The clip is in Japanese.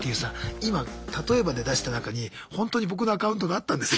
今例えばで出した中にほんとに僕のアカウントがあったんですよ。